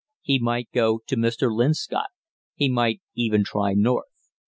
He might go to Mr. Linscott, he might even try North.